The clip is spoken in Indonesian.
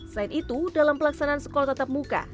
selain itu dalam pelaksanaan sekolah tatap muka